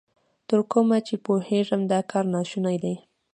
تر کومه چې پوهېږم، دا کار نا شونی دی.